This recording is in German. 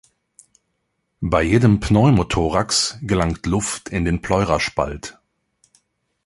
Bei jedem Pneumothorax gelangt Luft in den Pleuraspalt.